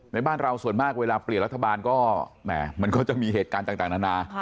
บ้านเราส่วนมากเวลาเปลี่ยนรัฐบาลก็แหมมันก็จะมีเหตุการณ์ต่างนานา